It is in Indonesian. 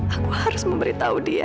aku harus memberitahu dia